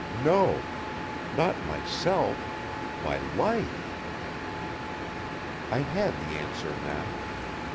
No! Not myself, my life! I had the answer now.